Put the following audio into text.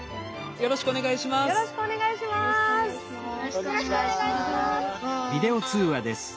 よろしくお願いします。